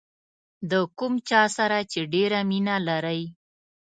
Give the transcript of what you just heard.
د کوم چا سره چې ډېره مینه لرئ.